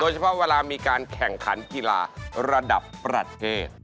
เฉพาะเวลามีการแข่งขันกีฬาระดับประเทศ